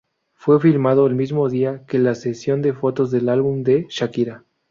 Fue filmado el mismo día que la sesión de fotos del álbum de Shakira.